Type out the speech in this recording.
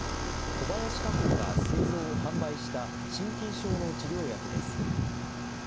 小林化工が製造・販売した真菌症の治療薬です。